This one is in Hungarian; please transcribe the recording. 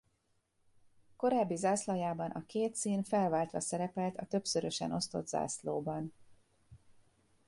Korábbi zászlajában a két szín felváltva szerepelt a többszörösen osztott zászlóban.